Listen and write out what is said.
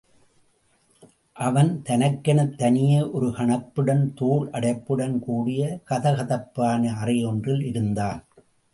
அவன் தனக்கெனத் தனியே ஒரு கணப்புடன் தோல் அடைப்புடன் கூடிய கதகதப்பான அறையொன்றில் இருந்தான்.